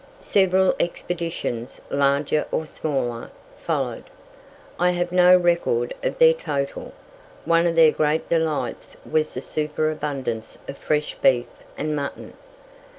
Several expeditions, larger or smaller, followed. I have no record of their total. One of their great delights was the superabundance of fresh beef and mutton.